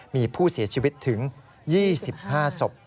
มีผู้เสียชีวิตถึง๒๕ศพ